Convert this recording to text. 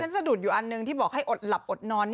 สะดุดอยู่อันหนึ่งที่บอกให้อดหลับอดนอน